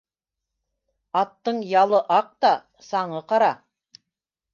Аттың ялы аҡ та, саңы ҡара.